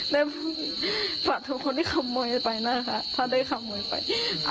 ได้ฝากทุกคนที่ขโมยไปนะคะถ้าได้ขโมยไป